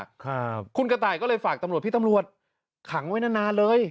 ครับคุณกระต่ายก็เลยฝากตำรวจพี่ตำรวจขังไว้นานนานเลย